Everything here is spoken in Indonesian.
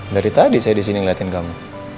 dari tadi saya di sini ngeliatin kamu